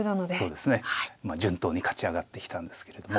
そうですね順当に勝ち上がってきたんですけれども。